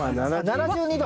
７２度。